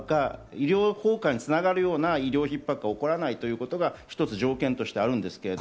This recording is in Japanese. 医療崩壊に繋がるような医療逼迫が起こらないということが１つ条件です。